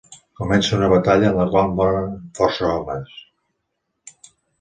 Comença una batalla en la qual moren força homes.